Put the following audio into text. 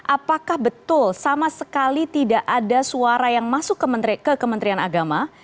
apakah betul sama sekali tidak ada suara yang masuk ke kementerian agama